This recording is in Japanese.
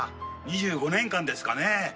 ２５年間ですかねえ。